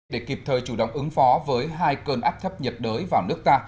để kịp thời chủ động ứng phó với hai cơn áp thấp nhiệt đới vào nước ta